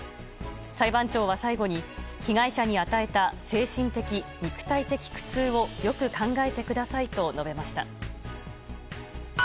裁判長は最後に、被害者に与えた精神的・肉体的苦痛をよく考えてくださいと述べました。